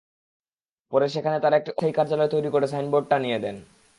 পরে সেখানে তাঁরা একটি অস্থায়ী কার্যালয় তৈরি করে সাইনবোর্ড টানিয়ে দেন।